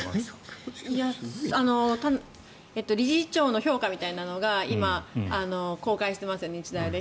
理事長の評価みたいなのが今、公開してますよね、日大で。